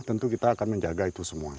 tentu kita akan menjaga itu semua